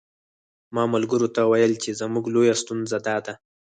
ما ملګرو ته ویل چې زموږ لویه ستونزه داده.